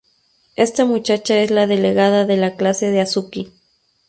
Esta muchacha es la delegada de la clase de Azuki.